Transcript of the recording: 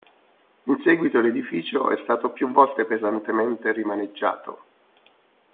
In seguito l'edificio è stato più volte pesantemente rimaneggiato.